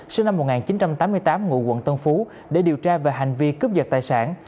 sinh năm một nghìn chín trăm tám mươi tám ngụ quận tân phú để điều tra về hành vi cướp giật tài sản